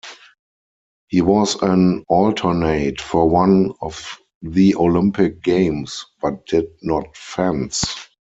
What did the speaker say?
He was an alternate for one of the Olympic Games, but did not fence.